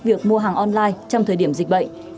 việc mua hàng online trong thời điểm dịch bệnh